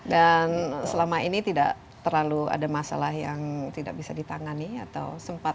dan selama ini tidak terlalu ada masalah yang tidak bisa ditangani atau sempat